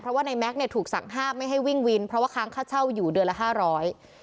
เพราะว่าในแก๊กเนี่ยถูกสั่งห้ามไม่ให้วิ่งวินเพราะว่าค้างค่าเช่าอยู่เดือนละห้าร้อย